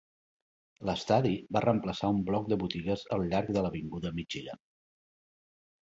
L'estadi va reemplaçar un bloc de botigues al llarg de l'avinguda Michigan.